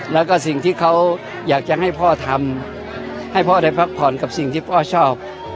แล้วก็สิ่งที่เขาอยากจะให้พ่อทำให้พ่อได้พักผ่อนกับสิ่งที่พ่อชอบ